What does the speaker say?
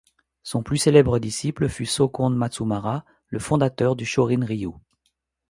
Son plus célèbre disciple fut Sōkon Matsumura, le fondateur du Shōrin-ryū.